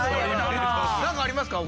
何かありますか？